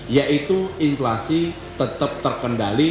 yaitu inflasi tetap terkendali